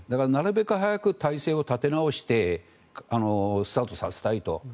だからなるべく早く体制を立て直してスタートさせたいと。